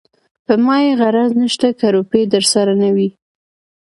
په ما يې غرض نشته که روپۍ درسره نه وي.